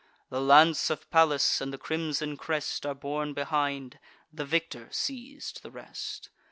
The lance of Pallas, and the crimson crest, Are borne behind: the victor seiz'd the rest.